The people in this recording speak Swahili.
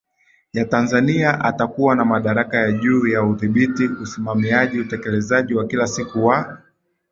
ya Tanzania atakuwa na madaraka juu ya udhibiti usimamiaji utekelezaji wa kila siku wa